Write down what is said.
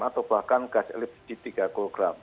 atau bahkan gas lpg tiga kg